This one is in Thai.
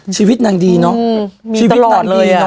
ชีวิตนั่งดีเนาะมีตลอดเลยอะ